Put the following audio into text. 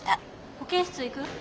保健室行く？